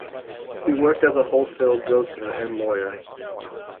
He worked as a wholesale grocer and lawyer.